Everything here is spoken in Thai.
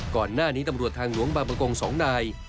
ก่อนหน้านี้ตำรวจทางหลวงบางประกง๒นาย